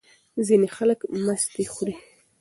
ځینې خلک مستې خوري.